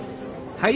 はい。